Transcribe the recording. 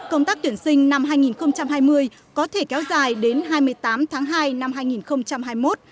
công tác tuyển sinh năm hai nghìn hai mươi có thể kéo dài đến hai mươi tám tháng hai năm hai nghìn hai mươi một